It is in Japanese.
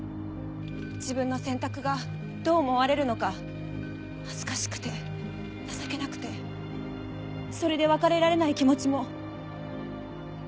自分の選択がどう思われるのか恥ずかしくて情けなくてそれで別れられない気持ちも。